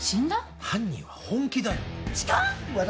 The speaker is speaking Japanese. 犯人は本気だよ。